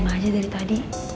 game aja dari tadi